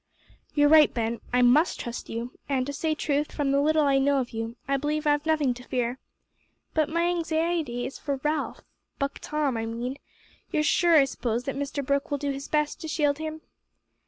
"You're right, Ben. I must trust you, and, to say truth, from the little I know of you, I believe I've nothing to fear. But my anxiety is for Ralph Buck Tom, I mean. You're sure, I suppose, that Mr Brooke will do his best to shield him?"